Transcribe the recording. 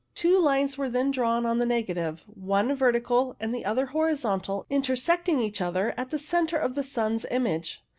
Two lines were then drawn on the negative, one vertical and the other horizontal, intersecting each other at the centre of the sun's image.